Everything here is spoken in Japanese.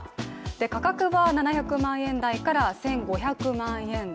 価格は７００万円台から１５００万円台。